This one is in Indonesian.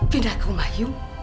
pindah ke rumah yu